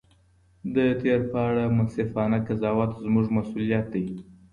د تېر په اړه منصفانه قضاوت زموږ مسؤلیت دی.